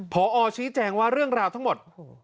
พอชี้แจงว่าเรื่องราวทั้งหมด